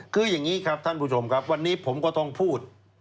คืออย่างนี้ครับท่านผู้ชมครับวันนี้ผมก็ต้องพูด